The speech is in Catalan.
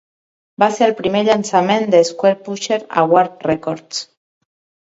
Va ser el primer llançament de Squarepusher a Warp Records.